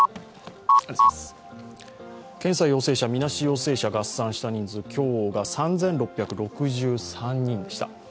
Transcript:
検査陽性者、みなし陽性者合算した人数、今日が３６６３人でした。